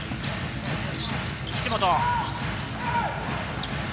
岸本。